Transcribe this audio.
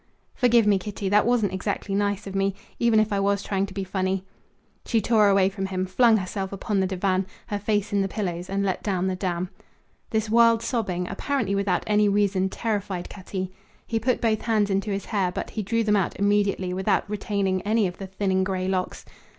"Forgive me, Kitty. That wasn't exactly nice of me, even if I was trying to be funny." She tore away from him, flung herself upon the divan, her face in the pillows, and let down the dam. This wild sobbing apparently without any reason terrified Cutty. He put both hands into his hair, but he drew them out immediately without retaining any of the thinning gray locks.